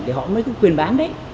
thì họ mới có quyền bán đấy